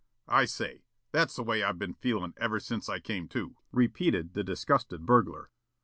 "I say, that's the way I've been feeling ever since I came to," repeated the disgusted burglar.